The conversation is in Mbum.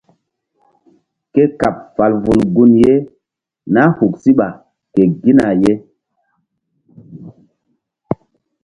Ke kaɓ fal vul gun ye nah huk siɓa ke gina ye.